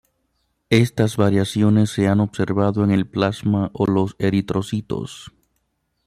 Estas variaciones se han observado en el plasma o los eritrocitos.